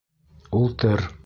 Ултыр!